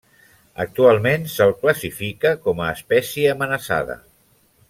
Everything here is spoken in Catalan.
Actualment se'l classifica com a espècie amenaçada.